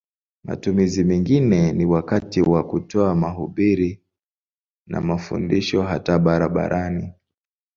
Matumizi mengine ni wakati wa kutoa mahubiri na mafundisho hata barabarani.